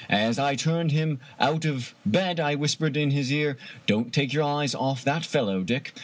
As I turned him out of bed I whispered in his ear :" Don't take your eyes off that fellow, Dick.